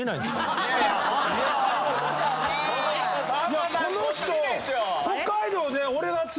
いやこの人。